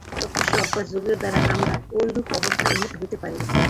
তপস্যা ও অভ্যাস-যোগের দ্বারাই আমরা ঐরূপ অবস্থায় উন্নীত হইতে পারিব।